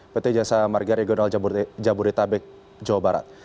pt jasa marga regional jabodetabek jawa barat